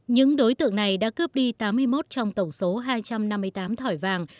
những đối tượng này đã cướp đi tám mươi một trong tổng số hai trăm năm mươi tám thỏi vàng